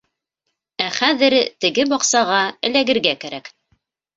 Ә хәҙер теге баҡсаға эләгергә кәрәк.